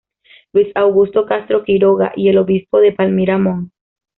Luis Augusto Castro Quiroga y el Obispo de Palmira Mons.